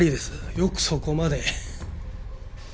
よくそこまで。